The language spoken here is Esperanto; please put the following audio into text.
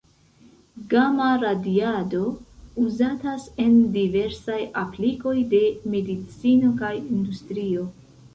Gama-radiado uzatas en diversaj aplikoj de medicino kaj industrio.